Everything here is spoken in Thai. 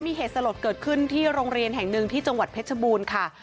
มีเหตุสลดเกิดขึ้นที่โรงเรียนแห่งหนึ่งที่จังหวัดเพชรบูรณ์ค่ะ